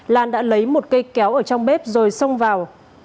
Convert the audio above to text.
lan đã lấy một cây kéo ở trong bếp rồi xông vào